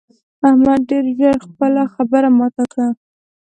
احمد ډېر ژر خپله خبره ماته کړه.